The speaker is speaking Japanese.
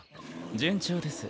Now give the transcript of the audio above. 順調です。